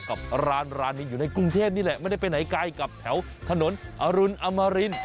กับร้านร้านนี้อยู่ในกรุงเทพนี่แหละไม่ได้ไปไหนไกลกับแถวถนนอรุณอมริน